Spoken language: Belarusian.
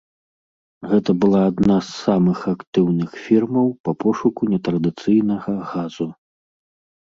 Гэта была адна з самых актыўных фірмаў па пошуку нетрадыцыйнага газу.